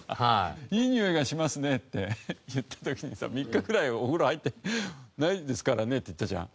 いいにおいがしますねって言った時にさ３日ぐらいお風呂入ってないですからねって言ったじゃん。